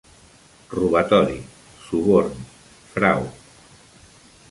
Robatori, suborn, frau